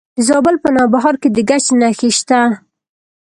د زابل په نوبهار کې د ګچ نښې شته.